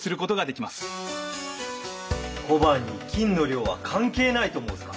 小判に金の量は関係ないと申すか。